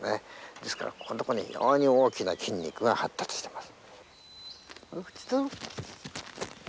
ですからここに非常に大きな筋肉が発達しています。